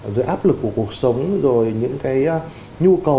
giữa áp lực của cuộc sống những nhu cầu